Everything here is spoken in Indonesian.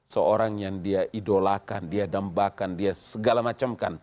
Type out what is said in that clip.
seorang yang dia idolakan dia dambakan dia segala macam kan